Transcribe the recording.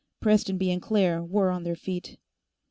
Prestonby and Claire were on their feet.